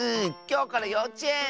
きょうからようちえん！